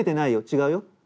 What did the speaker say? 違うよ？